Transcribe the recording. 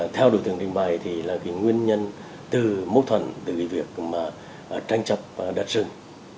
theo đối tượng trình bày thì là nguyên nhân từ mốt thuận từ việc tranh chấp đất sừng